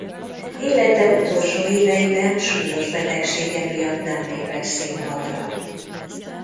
Élete utolsó éveiben súlyos betegsége miatt nem lépett színpadra.